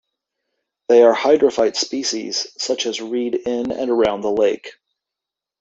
There are hydrophyte species such as reed in and around the lake.